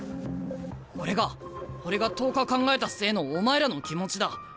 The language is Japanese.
これが俺が１０日考えた末のお前らの気持ちだ。